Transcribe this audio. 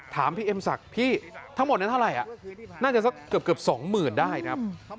ถามพี่เอ็มสักพี่ทั้งหมดเนี้ยเท่าไรอ่ะน่าจะเกือบสองหมื่นได้นะครับ